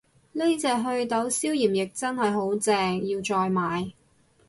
呢隻袪痘消炎液真係好正，要再買